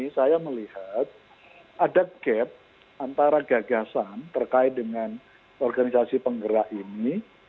saya melihat ada gap antara gagasan terkait dengan organisasi penggerak ini